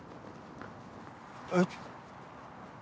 えっ。